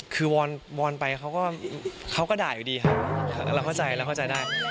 คือวอนไปเขาก็ด่ายอยู่ดีค่ะเราเข้าใจได้